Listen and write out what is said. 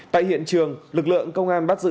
tại hiện trường lực lượng công an bắt giữ